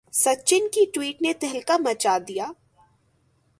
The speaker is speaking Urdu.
سچن کی ٹوئٹ نے تہلکہ مچا دیا